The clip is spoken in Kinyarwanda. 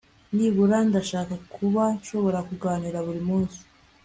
nibura, ndashaka kuba nshobora kuganira buri munsi